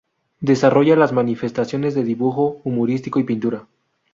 Desarrolla las manifestaciones de dibujo humorístico y pintura.